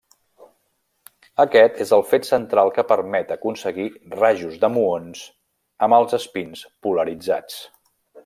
Aquest és el fet central que permet aconseguir rajos de muons amb els espins polaritzats.